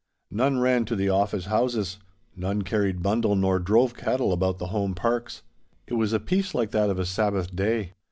None ran to the office houses. None carried bundle nor drove cattle about the home parks. It was a peace like that of a Sabbath day.